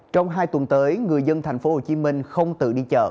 trong hai tuần tới người dân thành phố hồ chí minh không tự đi chợ